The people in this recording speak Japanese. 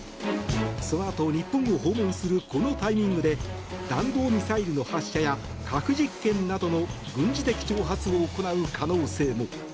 そのあと、日本を訪問するこのタイミングで弾道ミサイルの発射や核実験などの軍事的挑発を行う可能性も。